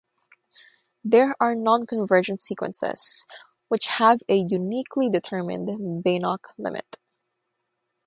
There are non-convergent sequences which have a uniquely determined Banach limit.